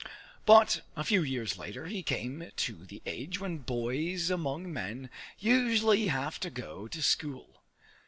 But, a few years later, he came to the age when boys among men usually have to go to school.